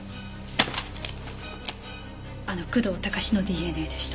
あの工藤貴志のＤＮＡでした。